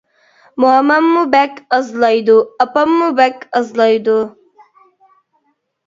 موماممۇ بەك ئازلايدۇ، ئاپاممۇ بەك ئازلايدۇ.